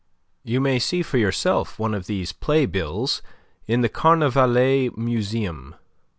You may see for yourself one of these playbills in the Carnavalet Museum.